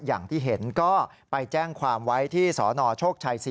อย่างที่เห็นก็ไปแจ้งความไว้ที่สนโชคชัย๔